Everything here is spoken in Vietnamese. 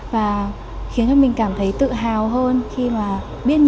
và khiến cho mình cảm thấy tự hào hơn khi mà biết nhiều hơn về văn hóa của việt nam